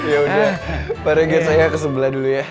ya udah pak regar saya ke sebelah dulu ya